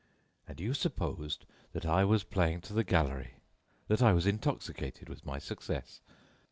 And you supposed that I was playing to the gallery; that I was intoxicated with my success.